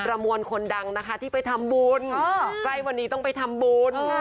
มวลคนดังนะคะที่ไปทำบุญใกล้วันนี้ต้องไปทำบุญ